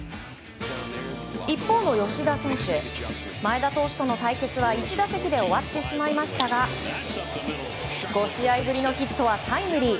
一方の吉田選手前田投手との対決は１打席で終わってしまいましたが５試合ぶりのヒットはタイムリー。